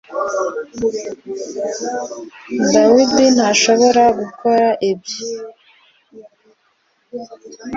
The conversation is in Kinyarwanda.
David ntashobora gukora ibyo